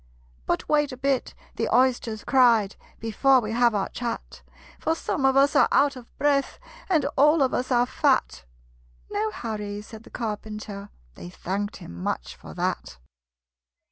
"But wait a bit," the Oysters cried, "Before we have our chat; For some of us are out of breath, And all of us are fat!" "No hurry," said the Carpenter: They thanked him much for that.